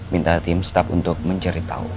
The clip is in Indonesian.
minta tim staff untuk mencari tahu